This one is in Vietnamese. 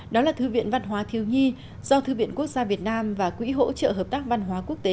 đó là thư viện văn hóa thiếu nhi do thư viện quốc gia việt nam và quỹ hỗ trợ hợp tác văn hóa quốc tế